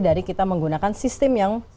dari kita menggunakan sistem yang